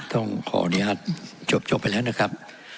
ต้องขออนุญาตจบไปแล้วนะครับ